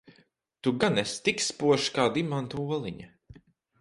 Tu gan esi tik spožs kā dimanta oliņa?